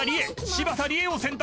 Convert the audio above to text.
柴田理恵を選択］